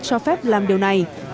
cho phép làm điều này